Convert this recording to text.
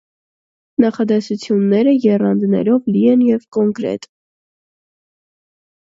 Նախադասությունները եռանդով լի են ու կոնկրետ։